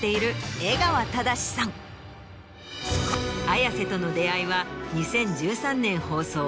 綾瀬との出会いは２０１３年放送